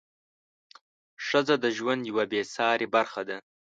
ښځه د ژوند یوه بې سارې برخه ده.